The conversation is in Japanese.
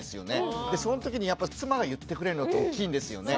そのときにやっぱ妻が言ってくれるのって大きいんですよね。